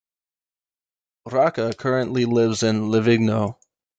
Rocca currently lives in Livigno.